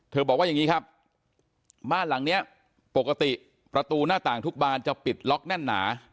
บอกว่าอย่างนี้ครับบ้านหลังนี้ปกติประตูหน้าต่างทุกบานจะปิดล็อกแน่นหนา